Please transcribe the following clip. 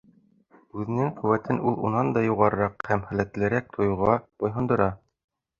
Үҙенең ҡеүәтен ул унан да юғарыраҡ һәм һәләкәтлерәк тойғоға буйһондора.